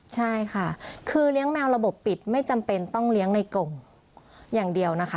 ใช่ค่ะคือเลี้ยงแมวระบบปิดไม่จำเป็นต้องเลี้ยงในกงอย่างเดียวนะคะ